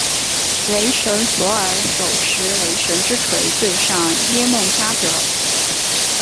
雷神索尔手持雷神之锤对上耶梦加得。